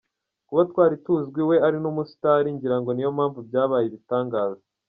Kuba twari tuzwi we ari n’umustar ngirango niyo mpamvu byabaye ibitangaza.